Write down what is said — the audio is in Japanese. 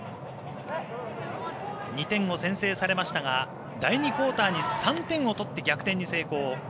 ２点を先制されましたが第２クオーターに３点を取って逆転に成功。